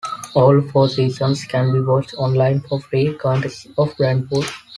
All four seasons can be watched online for free, courtesy of Brainpool.